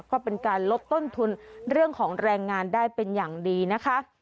ก็เป็นการลดต้นทุนเรื่องของแรงงานได้เป็นอย่างดีนะคะ